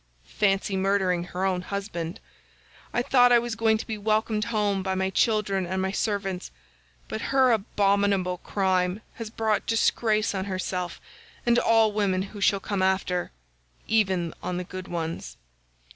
Fancy murdering her own husband! I thought I was going to be welcomed home by my children and my servants, but her abominable crime has brought disgrace on herself and all women who shall come after—even on the good ones.